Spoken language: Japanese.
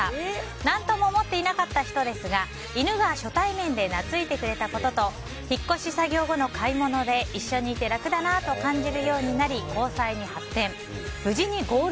何とも思っていなかった人ですが犬が初対面でなついてくれたことと引っ越し作業後の買い物で一緒にいてハミガキ選びはここに注目！